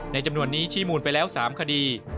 จำนวนนี้ชี้มูลไปแล้ว๓คดี